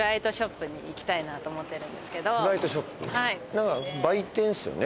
何か売店っすよね？